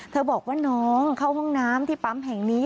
บอกว่าน้องเข้าห้องน้ำที่ปั๊มแห่งนี้